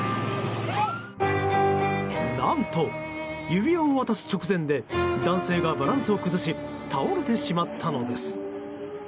何と、指輪を渡す直前で男性がバランスを崩し倒れてしまったのです。